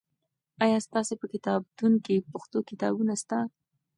آیا ستاسې په کتابتون کې پښتو کتابونه سته؟